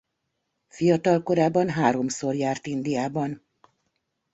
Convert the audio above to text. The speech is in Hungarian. Fiatal korában háromszor járt Indiában.